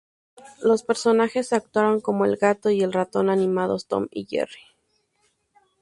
Los personajes actuaron como el gato y el ratón animados, "Tom y Jerry".